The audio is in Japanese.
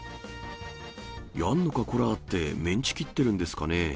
やんのかこらーって、メンチ切ってるんですかねぇ？